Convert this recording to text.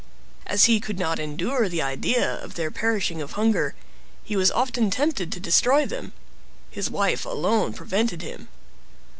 As he could not endure the idea of their perishing of hunger, he was often tempted to destroy them; his wife alone prevented him.